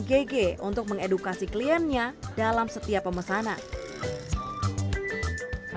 ggg untuk mengedukasi kliennya dalam setiap pemesanan